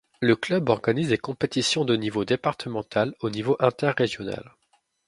Le club organise des compétitions de niveau départemental au niveau inter-régional.